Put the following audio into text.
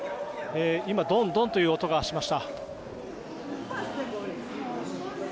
今、ドンドンという音がしました。